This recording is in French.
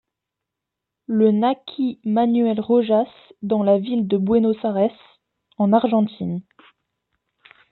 Le naquit Manuel Rojas dans la ville de Buenos Aires, en Argentine.